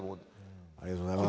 ありがとうございます。